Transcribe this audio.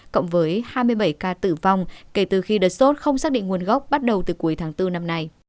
cộng với hai mươi bảy ca tử vong kể từ khi đợt sốt không xác định nguồn gốc bắt đầu từ cuối tháng bốn năm nay